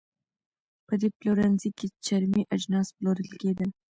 په دې پلورنځۍ کې چرمي اجناس پلورل کېدل.